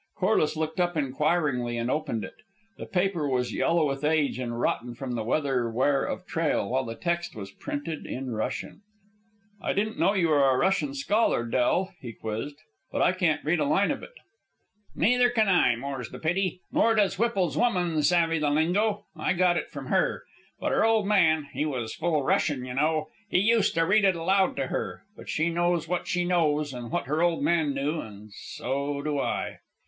Corliss looked up inquiringly and opened it. The paper was yellow with age and rotten from the weather wear of trail, while the text was printed in Russian. "I didn't know you were a Russian scholar, Del," he quizzed. "But I can't read a line of it." "Neither can I, more's the pity; nor does Whipple's woman savve the lingo. I got it from her. But her old man he was full Russian, you know he used to read it aloud to her. But she knows what she knows and what her old man knew, and so do I."